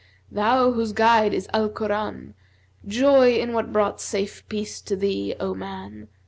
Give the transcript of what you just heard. thou whose guide is Alcorбn, * Joy in what brought safe peace to thee, O man.